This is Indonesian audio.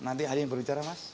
nanti ada yang berbicara mas